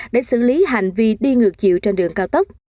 để xử lý hành vi đi ngược chiều trên đường cao tốc